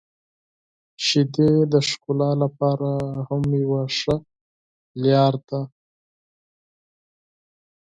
• شیدې د ښکلا لپاره هم یو ښه لاره ده.